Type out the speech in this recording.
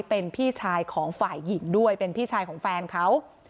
เป็นพี่ชายของฝ่ายหญิงด้วยเป็นพี่ชายของแฟนเขา